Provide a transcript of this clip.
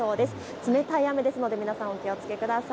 冷たい雨ですので皆さん、お気をつけください。